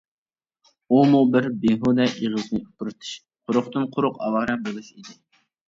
ئۇمۇ بىر بىھۇدە ئېغىزنى ئۇپرىتىش، قۇرۇقتىن-قۇرۇق ئاۋارە بولۇش ئىدى.